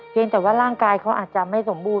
แต่ว่าร่างกายเขาอาจจะไม่สมบูรณ